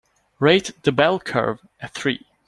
Rate The Bell Curve a three.